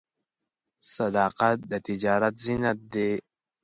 صداقت د تجارت زینت دی.